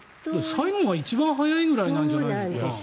最後が一番速いぐらいなんじゃないの？